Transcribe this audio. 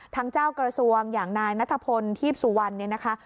เจ้ากระทรวงอย่างนายนัทพลทีพสุวรรณเนี่ยนะคะ